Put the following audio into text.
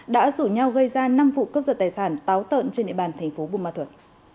đã rủ nhau gây ra năm vụ cướp giật tài sản táo tợn trên địa bàn thành phố bùa ma thuật